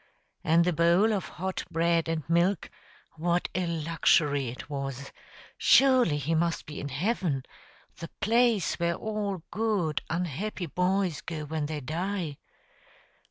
And the bowl of hot bread and milk, what a luxury it was! surely he must be in heaven, the place where all good, unhappy boys go when they die.